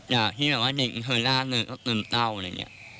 แต่ที่แบบว่าเด็กเคยล่าเงินก็ตื่นเต้าอะไรอย่างเงี้ย